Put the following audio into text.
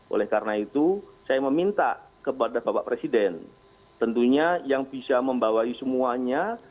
oleh karena itu saya meminta kepada bapak presiden tentunya yang bisa membawai semuanya